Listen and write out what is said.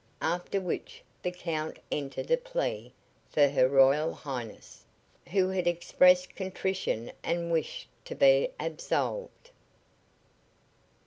After which the Count entered a plea for Her Royal Highness, who had expressed contrition and wished to be absolved.